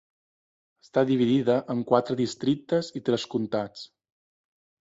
Està dividida en quatre districtes i tres comtats.